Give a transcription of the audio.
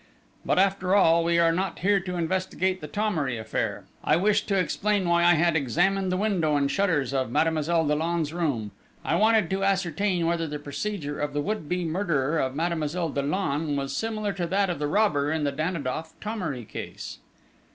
"... But, after all, we are not here to investigate the Thomery affair.... I wished to explain why I had examined the window and shutters Of Mademoiselle Dollon's room: I wanted to ascertain whether the procedure of the would be murderer of Mademoiselle Dollon was similar to that of the robber in the Danidoff Thomery case."